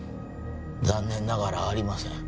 残念ながらありません